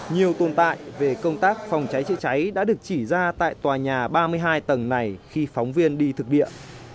nhiều tồn tại về công tác phòng cháy chữa cháy đã được chỉ ra tại tòa nhà ba mươi hai tầng này khi phóng viên đi thực địa